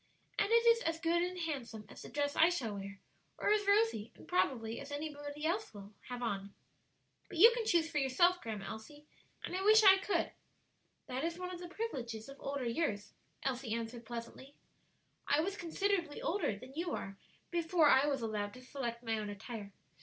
And it is as good and handsome as the dress I shall wear or as Rosie, and probably any one else, will have on." "But you can choose for yourself, Grandma Elsie, and I wish I could." "That is one of the privileges of older years," Elsie answered pleasantly. "I was considerably older than you are before I was allowed to select my own attire.